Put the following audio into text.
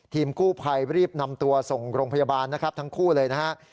ทีมกู้ภัยรีบนำตัวส่งโรงพยาบาลนะครับทั้งคู่เลยนะฮะ